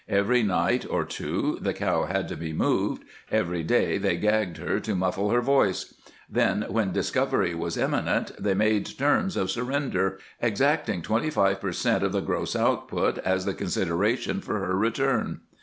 Every night or two the cow had to be moved, every day they gagged her to muffle her voice. Then, when discovery was imminent, they made terms of surrender, exacting twenty five per cent. of the gross output as the consideration for her return.